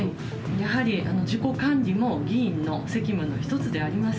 やはり自己管理も、議員の責務の一つであります。